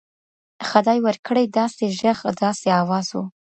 خدای ورکړی داسي ږغ داسي آواز و